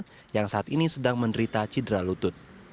ridwan kamil yang saat ini sedang menderita cedera lutut